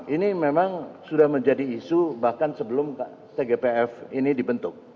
ini memang sudah menjadi isu bahkan sebelum tgpf ini dibentuk